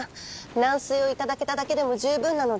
軟水を頂けただけでも十分なので。